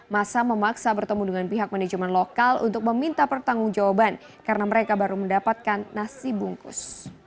masa memaksa bertemu dengan pihak manajemen lokal untuk meminta pertanggung jawaban karena mereka baru mendapatkan nasi bungkus